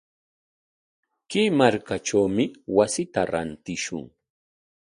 Kay markatrawmi wasita rantishun.